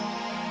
siap kepada dek